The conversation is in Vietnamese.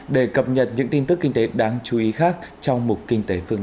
để cập nhật những tin tức kinh tế đáng chú ý khác trong mục kinh tế phương nam